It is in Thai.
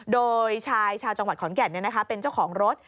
โดยชายชาวจังหวัดขอนแก่นเป็นเจ้าของรถ